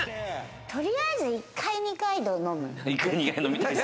とりあえず１回、二階堂飲む？